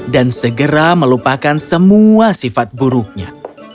dan segera melupakan semua sifat buruknya